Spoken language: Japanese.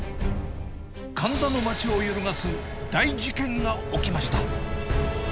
神田の町を揺るがす大事件が起きました。